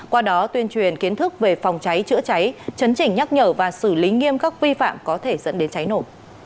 qua đó tuyên truyền kiến thức về phòng cháy chữa cháy chấn chỉnh nhắc nhở và xử lý nghiêm các vi phạm có thể dẫn đến cháy nổ